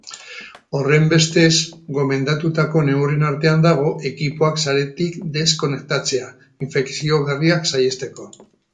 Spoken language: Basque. Horrenbestez, gomendatutako neurrien artean dago ekipoak saretik deskonektatzea, infekzio berriak saihesteko.